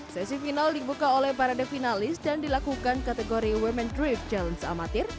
sesi final dibuka oleh para definalis dan dilakukan kategori women's drift challenge amateur